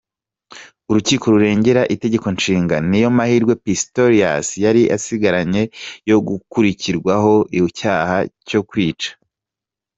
Urukiko rurengera Itegeko Nshinga niyo mahirwe Pistorius yari asigaranye yo gukurirwaho icyaha cyo kwica.